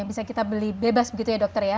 bisa kita beli bebas begitu ya dokter ya